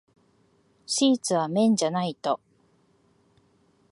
シーツは綿じゃないと。